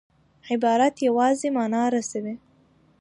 عبارت یوازي مانا رسوي.